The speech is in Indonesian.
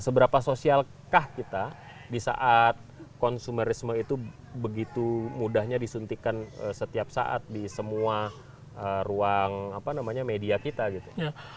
seberapa sosialkah kita di saat konsumerisme itu begitu mudahnya disuntikan setiap saat di semua ruang apa namanya media kita gitu ya